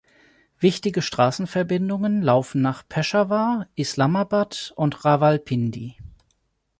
Wichtige Straßenverbindungen laufen nach Peschawar, Islamabad und Rawalpindi.